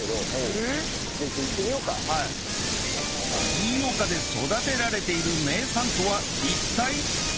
飯岡で育てられている名産とは一体！？